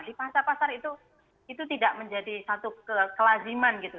di pasar pasar itu itu tidak menjadi satu kelaziman gitu